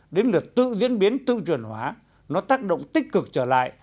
đến lượt tự diễn biến tự truyền hóa nó tác động tích cực trở lại